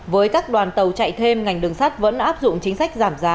với các đoàn tàu chạy thêm ngành đường sắt vẫn áp dụng chính sách giảm giá